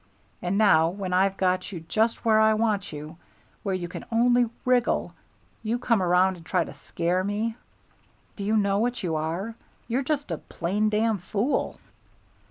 And now when I've got you just where I want you, where you can only wriggle, you come around and try to scare me. Do you know what you are? You're just a plain damn fool."